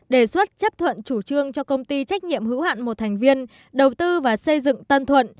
đề xuất chấp thuận chủ trương cho công ty trách nhiệm hữu hạn một thành viên đầu tư và xây dựng tân thuận